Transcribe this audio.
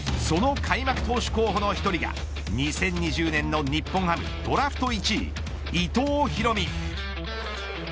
その開幕投手候補の１人が２０２０年の日本ハムドラフト１位伊藤大海。